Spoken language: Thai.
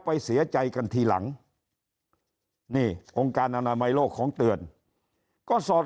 ไปเสียใจกันทีหลังนี่องค์การอนามัยโลกของเตือนก็สอด